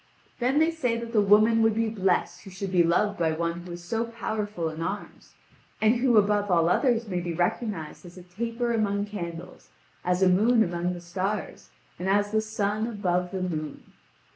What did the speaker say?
Then they say that the woman would be blessed who should be loved by one who is so powerful in arms, and who above all others may be recognised as a taper among candles, as a moon among the stars, and as the sun above the moon.